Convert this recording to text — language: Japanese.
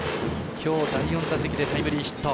きょう第４打席でタイムリーヒット。